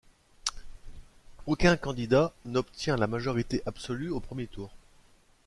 Aucun candidat n'obtient la majorité absolue au premier tour.